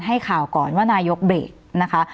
ให้ข่าวก่อนว่านายกเบรกนะคะ